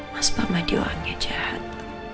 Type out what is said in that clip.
mas parma diorangnya jahat